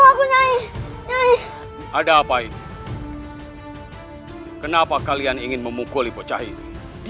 hai ada apa ini kenapa kalian ingin memukul ibu cahili